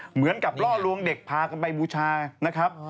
เหมือนกับล่อลวงเด็กพากันไปบูชานะครับ